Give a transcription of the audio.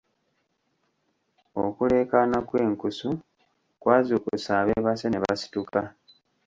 Okuleekaana kw'enkusu kwazuukusa abeebase ne basituka.